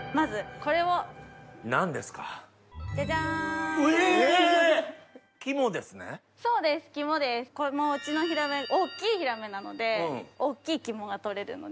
これうちのヒラメ大っきいヒラメなので大っきい肝が取れるので。